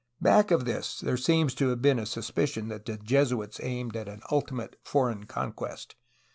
Back of this there seems to have been a suspicion that the Jesuits aimed at an ultimate foreign conquest.